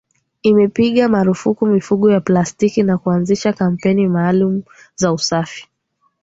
Imepiga marufuku mifuko ya plastiki na kuanzisha kampeni maalumu za usafi